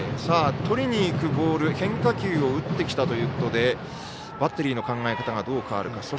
とりにいくボール変化球を打ってきたということでバッテリーの考え方がどう変わるか。